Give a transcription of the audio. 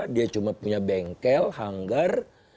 dia cuma punya bengkel hanggar